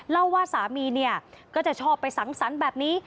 เล่าว่าสามีเนี่ยก็จะชอบไปสังสรรค์แบบนี้